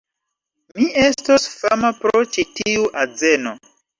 Mi estos fama pro ĉi tiu azeno!